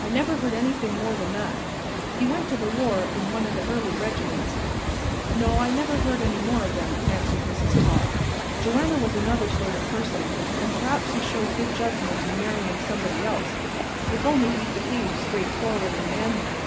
"I never heard anything more than that; he went to the war in one o' the early regiments. No, I never heard any more of him," answered Mrs. Todd. "Joanna was another sort of person, and perhaps he showed good judgment in marryin' somebody else, if only he'd behaved straight forward and manly.